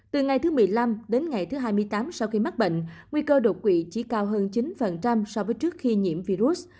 từ ngày thứ một mươi năm đến ngày thứ hai mươi tám sau khi mắc bệnh nguy cơ đột quỵ chỉ cao hơn chín so với trước khi nhiễm virus